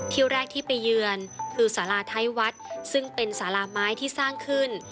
ที่แรกที่ไปเยือนคือสาราไทยวัดซึ่งเป็นสาราไม้ที่สร้างขึ้น